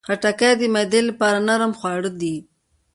خټکی د معدې لپاره نرم خواړه دي.